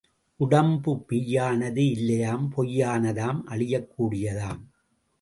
உடம்பு மெய்யானது இல்லையாம் பொய்யானதாம் அழியக் கூடியதாம்.